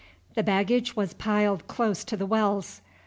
The baggage was piled close to the wells.